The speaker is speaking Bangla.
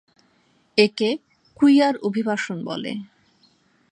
একে কুইয়ার অভিবাসন বলে।